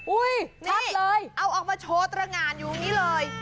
อุ้ยชัดเลยนี่เอาออกมาโชว์ตรงงานอยู่นี่เลย